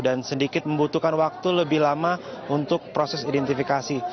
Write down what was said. dan sedikit membutuhkan waktu lebih lama untuk proses identifikasi